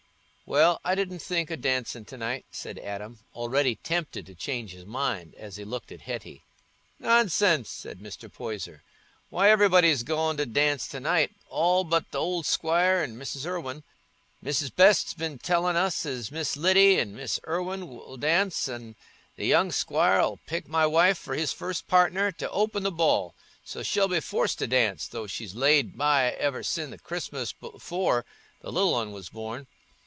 "Well, I didn't think o' dancing to night," said Adam, already tempted to change his mind, as he looked at Hetty. "Nonsense!" said Mr. Poyser. "Why, everybody's goin' to dance to night, all but th' old squire and Mrs. Irwine. Mrs. Best's been tellin' us as Miss Lyddy and Miss Irwine 'ull dance, an' the young squire 'ull pick my wife for his first partner, t' open the ball: so she'll be forced to dance, though she's laid by ever sin' the Christmas afore the little un was born.